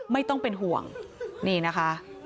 ไม่ต้องเป็นห่วงนี่นะคะ